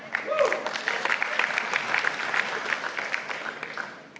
masa depan gembilang itu akan kita lanjutkan